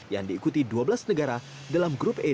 yang diikuti dua belas negara dalam grup e